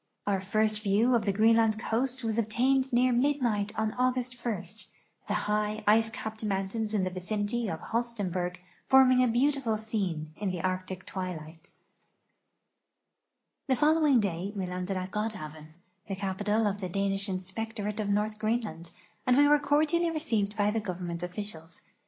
Our first view of the Greenland coast was obtained near mid night on August 1, the high, ice cajiped mountains in the vicinity of Holstenborg forming a beautiful scene in the Arctic twilight. 102 A SUMMER VOYAGE TO THE ARCTIC The following day we landed at Godhavn, the ca})ital of tlie Danish inspectorate of North Greenland, and were cordially re ceived by the government officials.